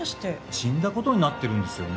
死んだ事になってるんですよね。